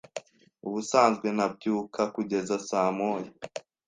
Ubusanzwe ntabyuka kugeza saa moya.